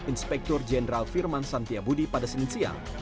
inspektur jenderal firman santiabudi pada senin siang